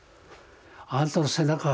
あんたの背中